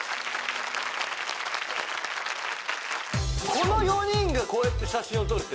この４人がこうやって写真を撮るって。